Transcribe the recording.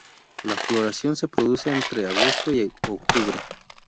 La floración se produce entre agosto y octubre.